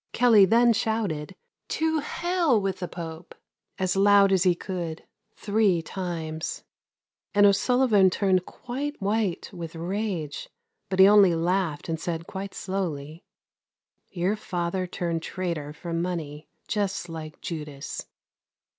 Kelley then shouted, "To hell with the Pope!" as loud as he could three times, and O'Sullivan turned quite white with rage, but he only laughed and said quite slowly: "Your father turned traitor for money, just like Judas."